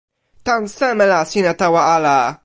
tan seme la sina tawa ala?